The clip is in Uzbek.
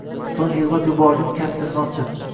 So‘ng yig‘lab yubordim kaftimni ochib